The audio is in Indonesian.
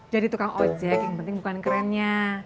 jadi tukang ojek yang penting bukan kerennya